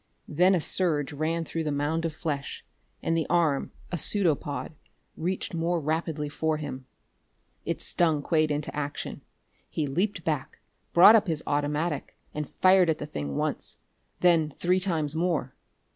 Then a surge ran through the mound of flesh, and the arm, a pseudopod, reached more rapidly for him. It stung Quade into action. He leaped back, brought up his automatic, and fired at the thing once; then three times more.